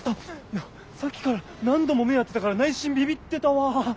いやさっきから何度も目合ってたから内心ビビッてたわ。